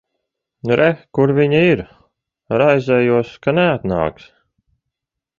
Re, kur viņa ir. Raizējos, ka neatnāksi.